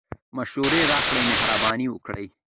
مشوري راکړئ مهربانی وکړئ